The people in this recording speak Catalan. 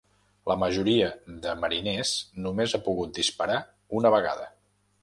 La majoria de mariners només ha pogut disparar una vegada.